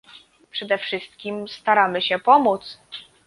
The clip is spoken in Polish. Przede wszystkim, staramy się pomóc